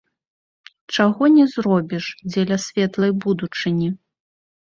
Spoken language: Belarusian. Чаго не зробіш дзеля светлай будучыні?